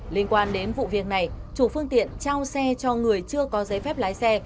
liên quan đến vụ việc này chủ phương tiện trao xe cho người chưa có giấy phép lái xe